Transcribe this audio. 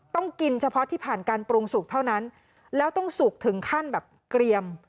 ต้องกินเฉพาะที่ผ่านการปรุงสุกเท่านั้นแล้วต้องสุกถึงขั้นแบบเกรียม